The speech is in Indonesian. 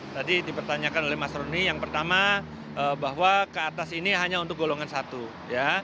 tadi dipertanyakan oleh mas roni yang pertama bahwa ke atas ini hanya untuk golongan satu ya